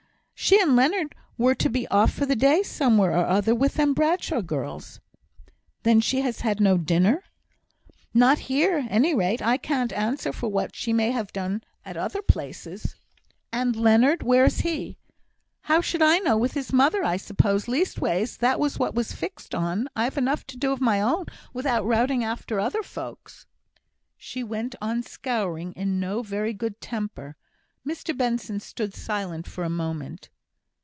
She and Leonard were to be off for the day somewhere or other with them Bradshaw girls." "Then she has had no dinner?" "Not here, at any rate. I can't answer for what she may have done at other places." "And Leonard where is he?" "How should I know? With his mother, I suppose. Leastways, that was what was fixed on. I've enough to do of my own, without routing after other folks." She went on scouring in no very good temper. Mr Benson stood silent for a moment.